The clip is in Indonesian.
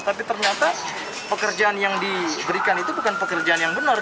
tapi ternyata pekerjaan yang diberikan itu bukan pekerjaan yang benar